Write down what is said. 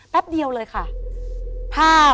แป๊บเดียวเลยค่ะ